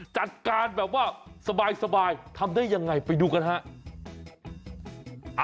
จัดการแบบว่าสบายทำได้ยังไงไปดูกันฮะ